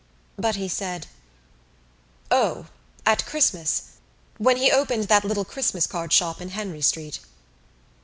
But he said: "O, at Christmas, when he opened that little Christmas card shop in Henry Street."